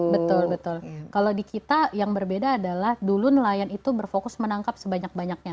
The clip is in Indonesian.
betul betul kalau di kita yang berbeda adalah dulu nelayan itu berfokus menangkap sebanyak banyaknya